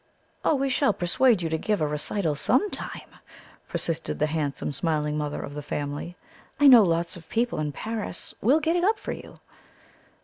"Oh, we shall persuade you to give a recital some time!" persisted the handsome smiling mother of the family. "I know lots of people in Paris. We'll get it up for you!"